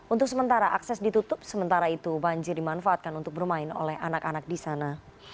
untuk sementara akses ditutup sementara itu banjir dimanfaatkan untuk bermain oleh anak anak di sana